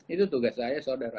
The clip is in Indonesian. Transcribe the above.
itu tugas saya saudara